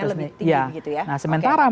lebih tinggi gitu ya nah sementara